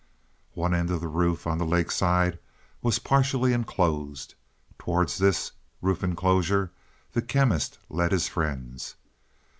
One end of the roof on the lake side was partially enclosed. Towards this roofed enclosure the Chemist led his friends.